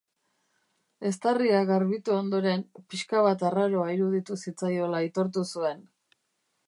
Eztarria garbitu ondoren, pixka bat arraroa iruditu zitzaiola aitortu zuen.